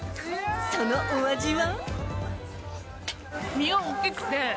そのお味は。